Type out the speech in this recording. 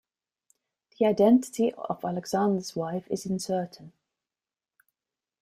The identity of Alexander's wife is uncertain.